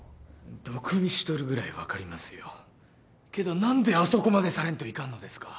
毒味しとるぐらい分かりますよけど何であそこまでされんといかんのですか？